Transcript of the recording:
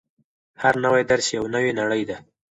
هر نوی درس یوه نوې نړۍ ده.